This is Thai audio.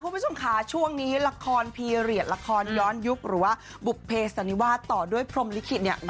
คุณผู้ชมค่ะช่วงนี้ละครพีเรียสละครย้อนยุคหรือว่าบุภเพสันนิวาสต่อด้วยพรมลิขิตเนี่ย